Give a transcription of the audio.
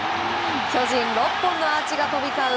巨人、６本のアーチが飛び交う